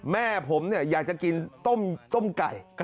แม่ผมอยากจะกินต้มไก่